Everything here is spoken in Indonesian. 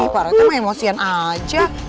pak rete emang emosian aja